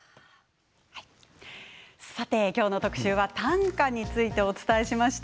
さて、今日の特集は短歌についてお伝えしました。